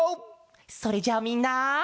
それじゃあみんな。